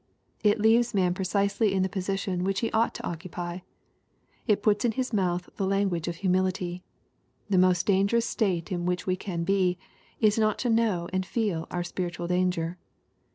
It leaves man precisely in the position which he ought to occupy. It puts in his mouth the language of humility. The most dangerous state in which we can be, is not to know and feel our spiritual danger.